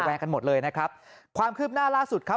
กันหมดเลยนะครับความคืบหน้าล่าสุดครับ